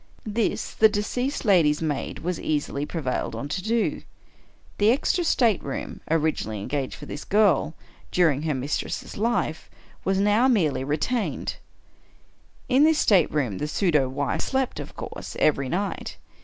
This the deceased lady's maid was easily pre vailed on to do. The extra stateroom, originally engaged for this girl, during her mistress' life, was now merely re tained. In this stateroom the pseudo wife slept, of course, every night.